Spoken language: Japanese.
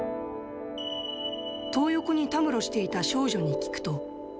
トー横にたむろしていた少女に聞くと。